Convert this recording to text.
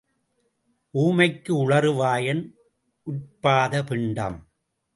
ஊமைக்கு உளறு வாயன் உற்பாத பிண்டம்.